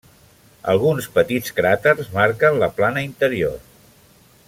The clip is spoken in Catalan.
Alguns petits cràters marquen la plana interior.